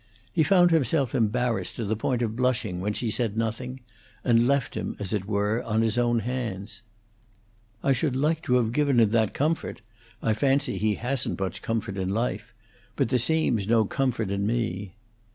He found himself embarrassed to the point of blushing when she said nothing, and left him, as it were, on his own hands. "I should like to have given him that comfort; I fancy he hasn't much comfort in life; but there seems no comfort in me."